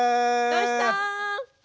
どうした？